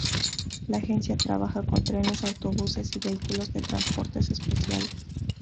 La agencia trabaja con trenes, autobuses y vehículos de transportes especiales.